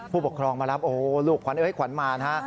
ผู้ปกครองมารับโอ้โหลูกขวัญเอ้ยขวัญมานะฮะ